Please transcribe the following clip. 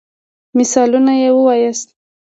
مثالونه يي ووایاست.